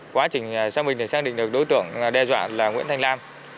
quá trình xác minh để xác định được đối tượng đe dọa là nguyễn thanh lan